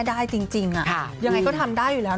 ได้จริงยังไงก็ทำได้อยู่แล้ว